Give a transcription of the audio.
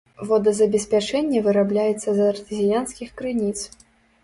Водазабеспячэнне вырабляецца з артэзіянскіх крыніц.